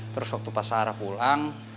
terus waktu pak sarah pulang